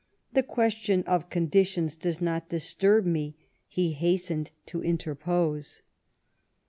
" The question of conditions does not disturb me," he hastened to interpose.